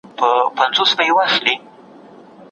موټر چلونکی په خپل ذهن کې د تېلو د بیې د لوړېدو غم کوي.